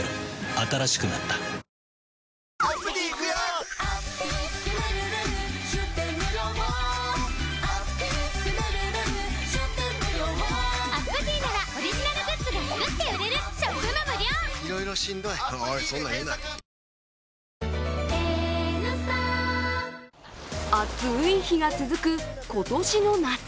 新しくなった暑い日が続く今年の夏。